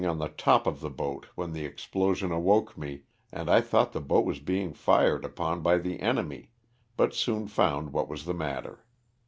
205 the top of the boat when the explosion awoke me and I thought the boat was being fired upon by the enemy, but soon found what was the matter.